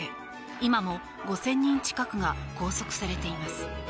今も５０００人近くが拘束されています。